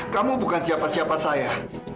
kamu bukan siapa siapa saya